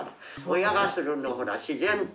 親がするのほら自然と。